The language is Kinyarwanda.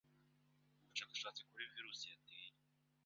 ubushakashatsi kuri virusi yateye